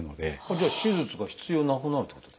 じゃあ手術が必要なくなるってことですか？